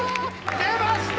出ました